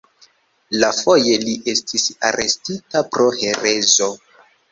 Iafoje li estis arestita pro herezo.